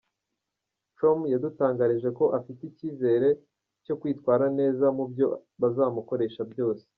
com yadutangarije ko afite icyizere cyo kwitwara neza mubyo bazamukoresha byose.